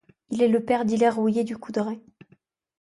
Il est le père d'Hilaire Rouillé du Coudray.